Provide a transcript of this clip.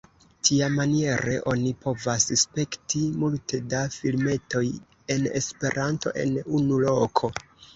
Tiamaniere oni povas spekti multe da filmetoj en Esperanto en unu loko.